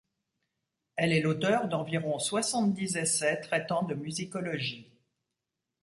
Elle est l’auteur d’environ soixante-dix essais traitant de musicologie.